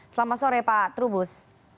selamat sore pak trubus